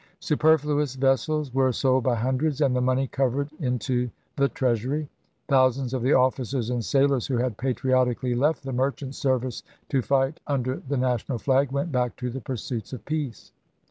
Superfluous vessels were sold by hundreds and the money covered into the Treasury ; thousands of the officers and sailors who had patriotically left the merchant service to fight under the national flag went back to the pursuits of peace.